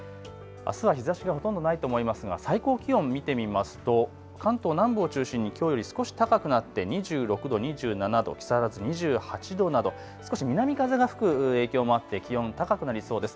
あすは日ざしがほとんどないと思いますが最高気温見てみますと関東南部を中心にきょうより少し高くなって２６度、２７度、木更津２８度など少し南風が吹く影響もあって気温高くなりそうです。